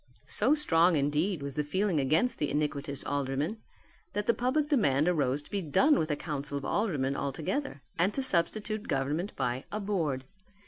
So strong, indeed, was the feeling against the iniquitous aldermen that the public demand arose to be done with a council of aldermen altogether and to substitute government by a Board.